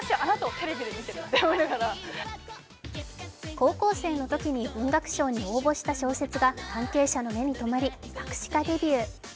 高校生のときに文学賞に応募した小説が関係者の目に止まり、作詞家デビュー。